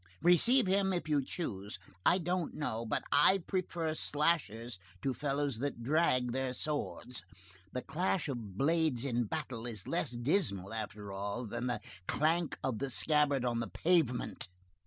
Receive him if you choose. I don't know but I prefer slashers to fellows that drag their swords. The clash of blades in battle is less dismal, after all, than the clank of the scabbard on the pavement.